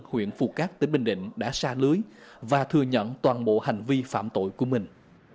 huyện phù cát tỉnh bình định đã xa lưới và thừa nhận toàn bộ hành vi phạm tội của mình